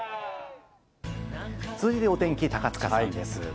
続いてお天気高塚さんです。